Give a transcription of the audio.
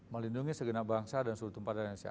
melindungi segenap bangsa dan seluruh tumpah darah di indonesia